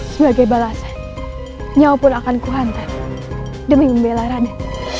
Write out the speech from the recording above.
sebagai balasan nyawapun akan kuhantat demi membela raden